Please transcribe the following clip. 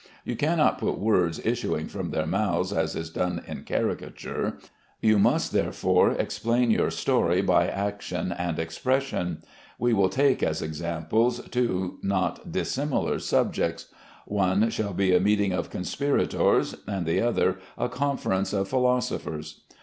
You cannot put words issuing from their mouths as is done in caricature, you must therefore explain your story by action and expression. We will take as examples two not dissimilar subjects. One shall be a meeting of conspirators, and the other a conference of philosophers.